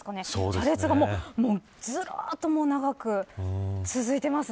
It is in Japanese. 車列がずらっと長く続いています。